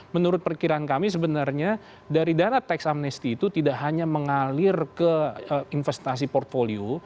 menurut perkiraan kami sebenarnya dari dana teks amnesty itu tidak hanya mengalir ke investasi portfolio